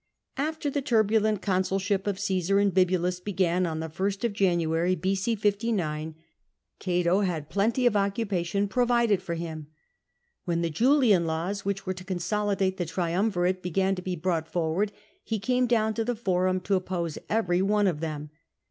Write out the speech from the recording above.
After the turbulent consulship of Caesar and Bibulus began, on ist January B.c. 59, Cato had plenty of occupa tion provided for him. When the Julian Laws, which were to consolidate the triumvirate, began to be brought forward, he came down to the Eorum to oppose every one of them.